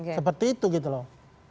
seperti itu gitu loh